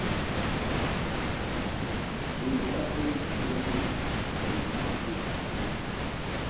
Ɗoŋgo ɓá tɔ́ndi pɛ́ ɗɛ́ mbonji ótên.